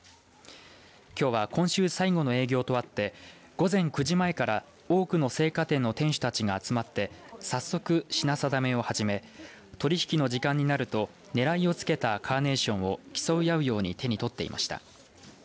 きょうは今週最後の営業とあって午前９時前から多くの生花店の店主たちが集まって早速、品定めを始め取り引きの時間になるとねらいをつけたカーネーションを競い合うように手に取っていました。